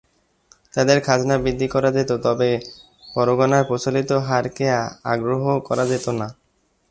তাদের খাজনা বৃদ্ধি করা যেত, তবে পরগনার প্রচলিত হারকে অগ্রাহ্য করা যেত না।